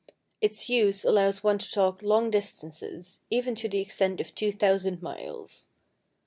Its use allows one to talk long distances, even to the extent of 2,000 miles.